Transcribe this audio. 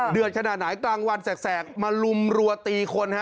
ขนาดไหนกลางวันแสกมาลุมรัวตีคนฮะ